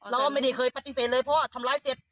เราไม่ได้เคยปฏิเสธเลยเพราะว่าทำร้ายเสร็จ